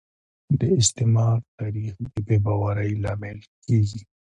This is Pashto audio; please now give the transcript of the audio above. د استعمار تاریخ د بې باورۍ لامل کیږي